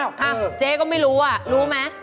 เจ๊ก็ไม่รู้อ่ะรู้ไหม